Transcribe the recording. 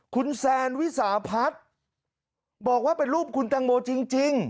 คุณแซนวิสาพัฒน์บอกว่าเป็นรูปคุณตังโมจริง